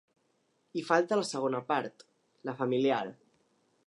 I falta la segona part, la familiar.